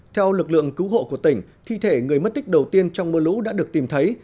theo lực lượng cứu hộ của tỉnh thi thể người mất tích đầu tiên trong mưa lũ đã được tìm thấy